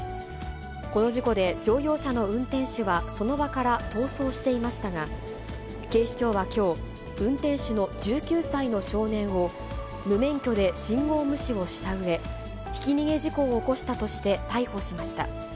この事故で、乗用車の運転手はその場から逃走していましたが、警視庁はきょう、運転手の１９歳の少年を、無免許で信号無視をしたうえ、ひき逃げ事故を起こしたとして、逮捕しました。